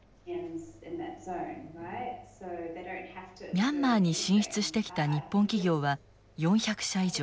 ミャンマーに進出してきた日本企業は４００社以上。